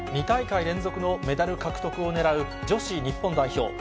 ２大会連続のメダル獲得を狙う女子日本代表。